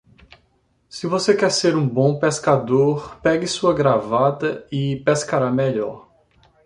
Se você quer ser um bom pescador, pegue sua gravata e pescará melhor.